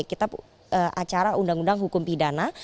kita acara undang undang hukum pidana